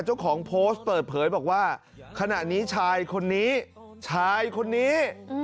เจ้าของโพสต์เปิดเผยบอกว่าขณะนี้ชายคนนี้ชายคนนี้